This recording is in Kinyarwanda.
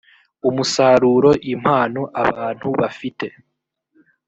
umusaruro impano abantu bafite